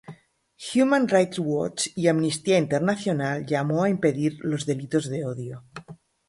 Human Rights Watch y Amnistía Internacional llamó a impedir los delitos de odio.